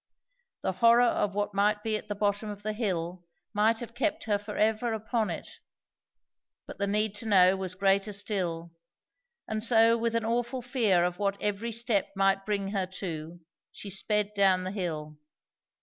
The horror of what might be at the bottom of the hill might have kept her for ever upon it; but the need to know was greater still; and so with an awful fear of what every step might bring her to, she sped down the hill.